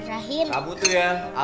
akhirnya nih selesai